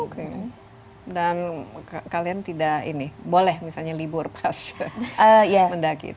oke dan kalian tidak ini boleh misalnya libur pas mendaki